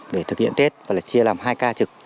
để thực hiện tết và chia làm hai ca trực